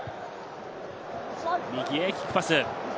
右へキックパス。